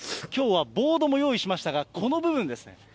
きょうはボードも用意しましたが、この部分です。